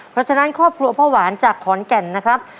เพราะฉะนั้นครอบครัวพ่อหวานจากขอนแก่นนะครับ